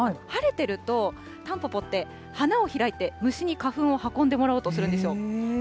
晴れてると、タンポポって花を開いて虫に花粉を運んでもらおうとするんですよ。